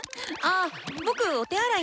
あ僕お手洗いに。